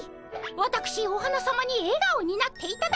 わたくしお花さまにえがおになっていただきたい。